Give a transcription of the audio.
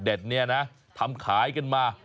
เนี่ยนะทำขายกันมา